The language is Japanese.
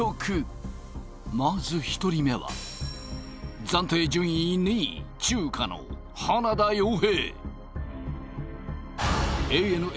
まず１人目は暫定順位２位中華の花田洋平ＡＮＡ